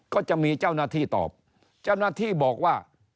ก็จะมีเจ้าหน้าที่ตอบเจ้าหน้าที่บอกว่า